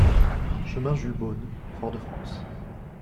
Chemin Jules Beaunes, Fort-de-France